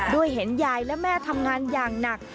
ด้วยเห็นยายและแม่ทำงานอย่างหนัก